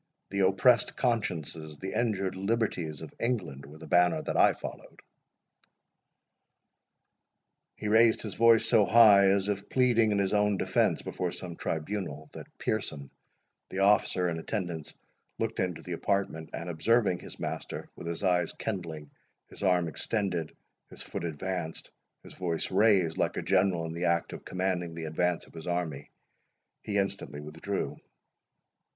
The oppressed consciences, the injured liberties of England, were the banner that I followed." He raised his voice so high, as if pleading in his own defence before some tribunal, that Pearson, the officer in attendance, looked into the apartment; and observing his master, with his eyes kindling, his arm extended, his foot advanced, and his voice raised, like a general in the act of commanding the advance of his army, he instantly withdrew.